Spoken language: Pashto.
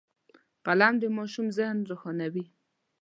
قلم د ماشوم ذهن روښانوي